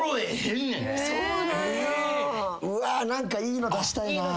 うわっ何かいいの出したいな。